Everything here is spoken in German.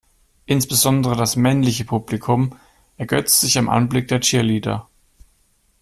Insbesondere das männliche Publikum ergötzt sich am Anblick der Cheerleader.